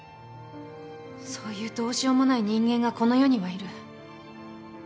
そういうどうしようもない人間がこの世にはいる。